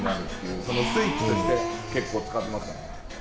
スイッチとして使ってます。